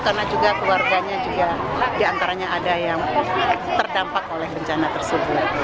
karena juga keluarganya juga diantaranya ada yang terdampak oleh bencana tersebut